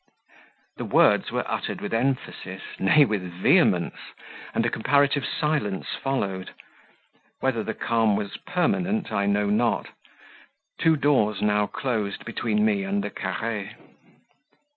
The words were uttered with emphasis nay, with vehemence and a comparative silence followed; whether the calm was permanent, I know not; two doors now closed between me and the CARRE.